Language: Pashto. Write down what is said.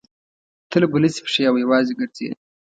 تل به لڅې پښې او یوازې ګرځېد.